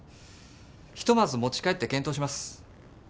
ひとまず持ち帰って検討します。